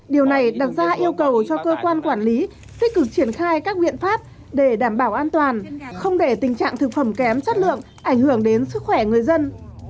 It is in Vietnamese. điều này đặt ra yêu cầu cho cơ quan quản lý tích cực triển khai các biện pháp để đảm bảo an toàn không để tình trạng thực phẩm kém chất lượng ảnh hưởng đến sức khỏe người dân